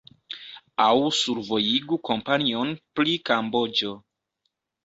Aŭ survojigu kampanjon pri Kamboĝo.